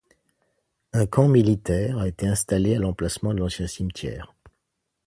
Un camp militaire a été installé à l'emplacement de l'ancien cimetière.